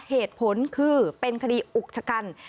เหตุผลคือเป็นคดีอุกชะกัน